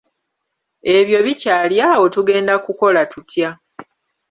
Ebyo bikyali awo tugenda kukola tutya?